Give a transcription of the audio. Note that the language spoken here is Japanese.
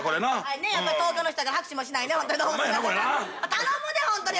頼むでホントに。